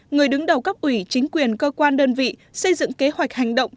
người đứng đầu cấp ủy chính quyền cơ quan đơn vị xây dựng kế hoạch hành động